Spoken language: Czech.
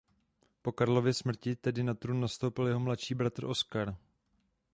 Po Karlově smrti tedy na trůn nastoupil jeho mladší bratr Oskar.